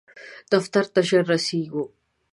دفتر ته ژر رسیږم